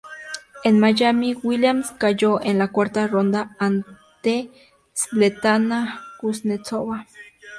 En Miami, Williams cayó en la cuarta ronda ante Svetlana Kuznetsova.